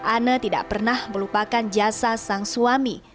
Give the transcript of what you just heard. ana tidak pernah melupakan jasa sang suami